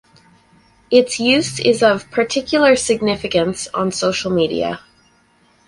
Its use is of particular significance on social media.